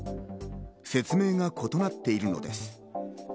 説明が異なっているのです。